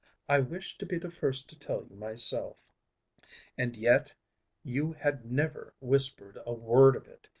I wished to be the first to tell you myself." "And yet you had never whispered a word of it.